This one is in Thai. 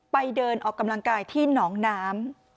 ไปเดินออกกำลังกายที่หนองน้ำ